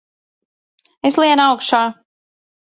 Es lienu augšā!